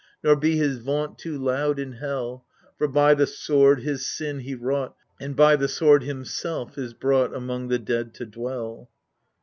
Nor be his vaunt too loud in hell ; For by the sword his sin he wrought, And by the sword himself is brought Among the dead to dwell.